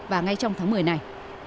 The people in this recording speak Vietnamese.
và ngay trong tháng một mươi này